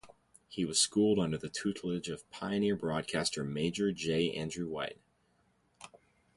He was schooled under the tutelage of pioneer broadcaster Major J. Andrew White.